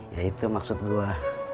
ya itu maksud gua